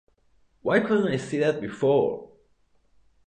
Why couldn't I see that before?